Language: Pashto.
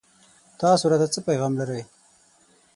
تاسو راته څه پيغام لرئ